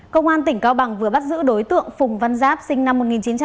công an tỉnh cao bằng vừa bắt giữ đối tượng phùng văn giáp sinh năm một nghìn chín trăm tám mươi